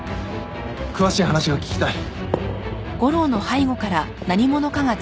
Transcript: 詳しい話が聞きたい。